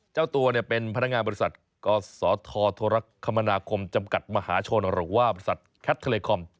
เจ้าตัวเป็นพนักงานบริษัทกศธโทรคมนาคมจำกัดมหาชนหรือว่าบริษัทแคทเทอร์เลคอม